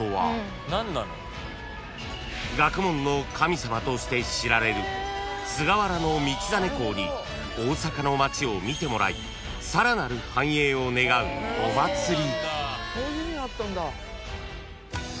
［学問の神様として知られる菅原道真公に大阪の街を見てもらいさらなる繁栄を願うお祭り］